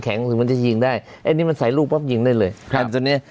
ซึ่งมันจะยิงได้นี่มันใส่ลูกป๊อปยิงได้เลย